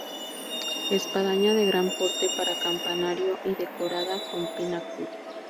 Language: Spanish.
Espadaña de gran porte para campanario y decorada con pináculos.